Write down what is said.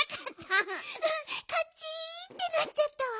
うんカチンってなっちゃったわ。